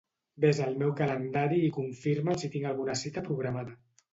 Ves al meu calendari i confirma'm si tinc alguna cita programada.